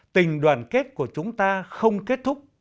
tình đoàn kết của chúng ta không kết thúc